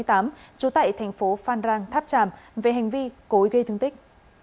trú tại thành phố phan rang tháp tràm về hành vi cối gây thương tích